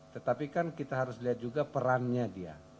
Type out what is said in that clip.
tetapi kan kita harus lihat juga perannya dia